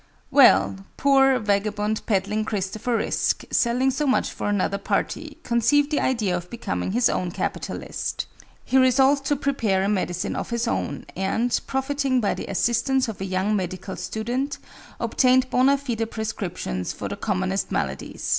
Well! poor, vagabond, peddling Christopher Risk, selling so much for another party, conceived the idea of becoming his own capitalist. He resolved to prepare a medicine of his own; and, profiting by the assistance of a young medical student, obtained bona fide prescriptions for the commonest maladies.